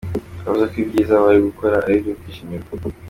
Yavuze ko ibyiza bari gukora ari ibyo kwishimirwa.